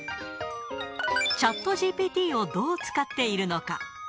チャットＧＰＴをどう使っているのか。